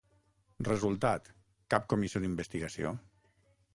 Resultat: cap comissió d’investigació.